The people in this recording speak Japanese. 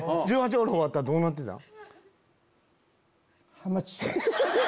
１８ホール終わったらどうなってたん？